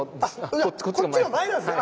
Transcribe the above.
こっちが前なんですね。